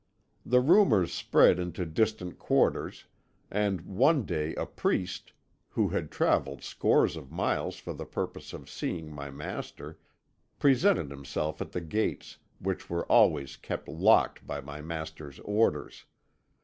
"The rumours spread into distant quarters, and one day a priest, who had travelled scores of miles for the purpose of seeing my master, presented himself at the gates, which were always kept locked by my master's orders.